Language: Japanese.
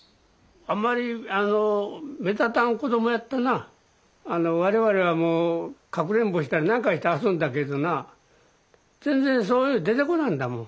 あんまりあの我々はもうかくれんぼしたり何かして遊んだけどな全然そういうの出てこなんだもん。